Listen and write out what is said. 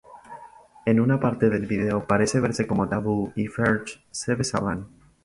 En una parte del video parece verse como Taboo y Fergie se besan.